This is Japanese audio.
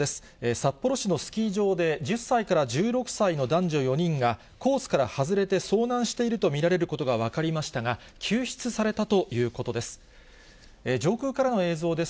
札幌市のスキー場で１０歳から１６歳の男女４人が、コースから外れて遭難していると見られることが分かりましたが、救出されたということです。